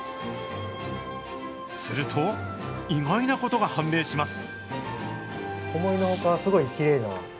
すると、意外なことが判明します。